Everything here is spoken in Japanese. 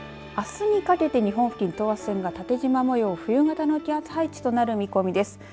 あすにかけて日本付近、等圧線が縦じま模様冬型の気圧配置となる見込みです。